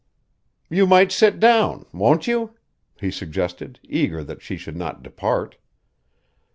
"You might sit down; won't you?" he suggested, eager that she should not depart.